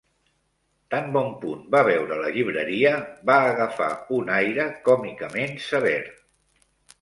Tan bon punt va veure la llibreria, va agafar un aire còmicament sever.